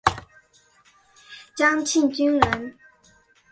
蒋庆均人。